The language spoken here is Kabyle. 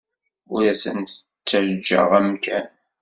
Ur asent-d-ttajjaɣ amkan.